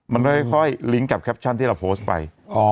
มันค่อยลิงก์กับแคปชั่นที่เราโพสต์ไป